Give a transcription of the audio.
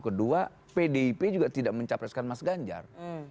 kedua pdip juga tidak mencapreskan mas ganjar